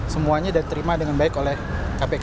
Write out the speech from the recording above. semuanya diterima dengan baik oleh kpk